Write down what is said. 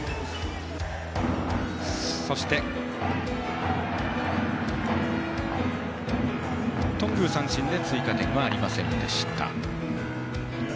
そして、頓宮が三振で追加点ありません。